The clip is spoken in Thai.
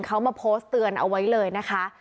เขามาโพสต์เตือนเอาไว้เลยนะคะ